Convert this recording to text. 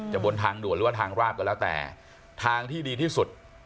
บนทางด่วนหรือว่าทางราบก็แล้วแต่ทางที่ดีที่สุด